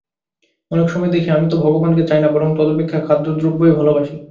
অনেক সময় দেখি, আমি তো ভগবানকে চাই না, বরং তদপেক্ষা খাদ্যদ্রব্যই ভালবাসি।